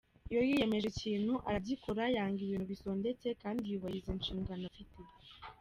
Iyo yiyemeje ikintu aragikora, yanga ibintu bisondetse kandi yubahiriza inshingano afite.